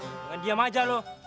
jangan diam aja lo